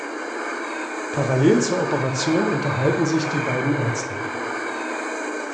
Parallel zur Operation unterhalten sich die beiden Ärzte.